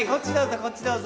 こっちどうぞ！